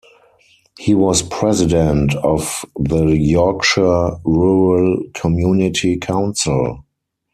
He was president of the Yorkshire Rural Community Council.